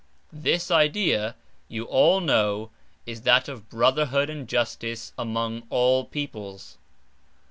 This idea, you all know, is that of: brotherhood and justice among all peoples."